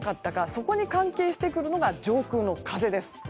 そこに関係してくるのが上空の風です。